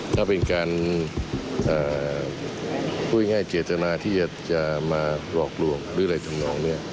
ถ้าเป็นการพูดง่ายเจตนาที่จะมาหลอกลวงหรืออะไรทำนองเนี่ย